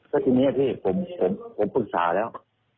ก็ทีนี้พี่ผมปรึกษาแล้ว